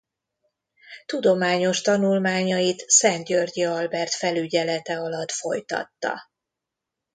Tudományos tanulmányait Szent-Györgyi Albert felügyelete alatt folytatta.